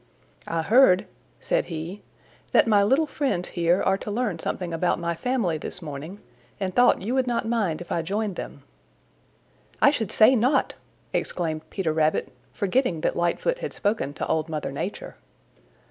"I heard," said he, "that my little friends here are to learn something about my family this morning, and thought you would not mind if I joined them." "I should say not!" exclaimed Peter Rabbit forgetting that Lightfoot had spoken to Old Mother Nature.